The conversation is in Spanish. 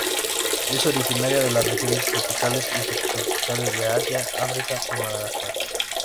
Es originaria de las regiones tropicales y subtropicales de Asia, África y Madagascar.